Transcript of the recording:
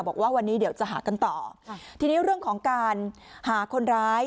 บอกว่าวันนี้เดี๋ยวจะหากันต่อทีนี้เรื่องของการหาคนร้าย